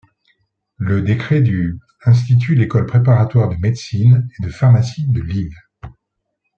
Le décret du institue l'école préparatoire de médecine et de pharmacie de Lille.